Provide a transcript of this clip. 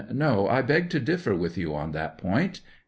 No; I beg to differ with you on that point